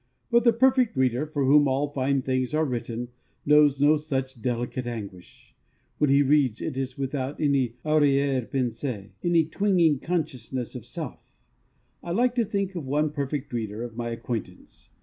But the Perfect Reader, for whom all fine things are written, knows no such delicate anguish. When he reads, it is without any arrière pensée, any twingeing consciousness of self. I like to think of one Perfect Reader of my acquaintance.